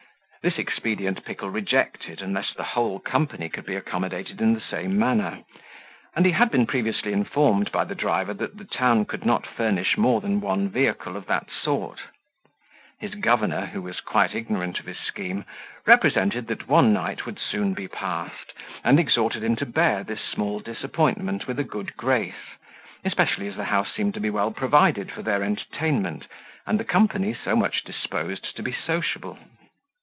This expedient Pickle rejected, unless the whole company could be accommodated in the same manner; and he had been previously informed by the driver that the town could not furnish more than one vehicle of that sort. His governor, who was quite ignorant of his scheme, represented that one night would soon be passed, and exhorted him to bear this small disappointment with a good grace, especially as the house seemed to be well provided for their entertainment, and the company so much disposed to be sociable.